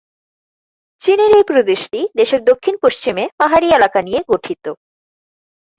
চীনের এই প্রদেশটি দেশের দক্ষিণ পশ্চিমে পাহাড়ি এলাকা নিয়ে গঠিত।